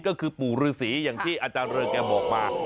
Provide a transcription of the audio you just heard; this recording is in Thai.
ก็คือปู่ฤษีอย่างที่อาจารย์เริงแกบอกมา